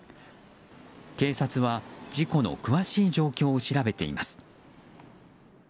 警察は、事故の詳しい状況を調べています。